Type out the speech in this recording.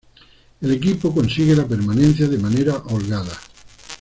El equipo consigue la permanencia de manera holgada.